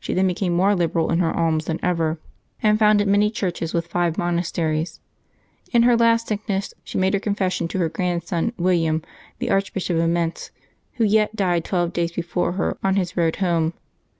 She then became more liberal in her alms than ever, and founded many churches, with five monasteries. In her last sickness she made her confession to her grandson William, the Archbishop of Mentz, who yet died twelve days before her, on his road home.